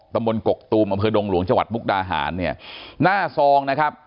บนกกตูมอำเภอดงหลวงจังหวัดมุกดาหารเนี่ยหน้าซองนะครับ